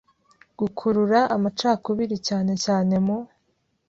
gukurura amacakubiri cyane cyane mu